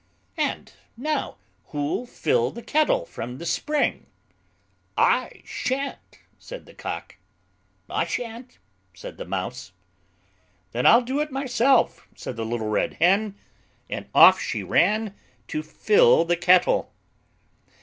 "And now, who'll fill the kettle from the spring?" she asked. "I shan't," said the Cock. "I shan't," said the Mouse. "Then I'll do it myself," said the little Red Hen. And off she ran to fill the kettle.